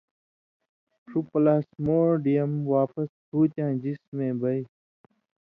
ݜُو پلاسمُوڈیَم واپس پُھوتیۡیاں جسمے بئ